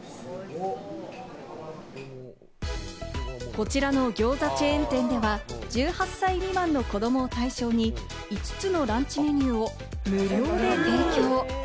こちらの餃子チェーン店では、１８歳未満の子どもを対象に５つのランチメニューを無料で提供。